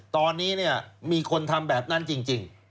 ตอนนี้มีคนทำแบบนั้นจริง